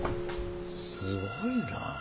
すごいな。